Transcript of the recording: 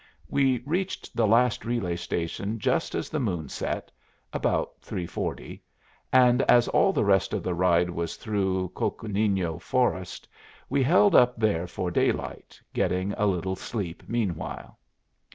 We reached the last relay station just as the moon set, about three forty; and, as all the rest of the ride was through Coconino forest, we held up there for daylight, getting a little sleep meanwhile.